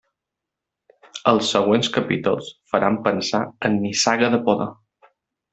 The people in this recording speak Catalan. Els següents capítols faran pensar en Nissaga de poder.